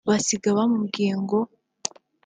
basiga bamubwiye ngo